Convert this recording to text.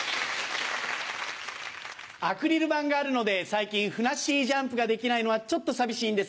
アクリル板があるので最近ふなっしージャンプができないのはちょっと寂しいんです